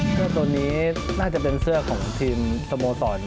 เสื้อตัวนี้น่าจะเป็นเสื้อของทีมสโมสร